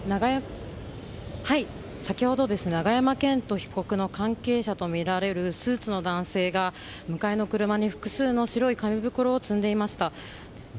先ほど永山絢斗被告の関係者とみられるスーツの男性が、迎えの車に複数の白い紙袋を積んでいました。